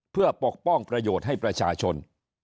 เพื่อปกป้องประโยชน์ให้ประชาชน